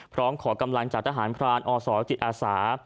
พร้อมขอกำลังจากทหารพรานอ่อศ่อและจีดอาสา